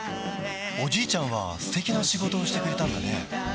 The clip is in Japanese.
おじいちゃんは素敵な仕事をしてくれたんだね